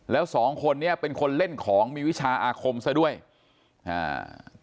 แล้วสองคนเนี้ยเป็นคนเล่นของมีวิชาอาคมซะด้วยอ่า